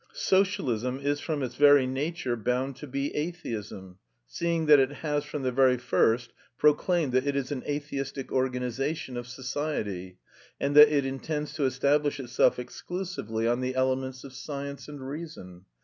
Socialism is from its very nature bound to be atheism, seeing that it has from the very first proclaimed that it is an atheistic organisation of society, and that it intends to establish itself exclusively on the elements of science and reason.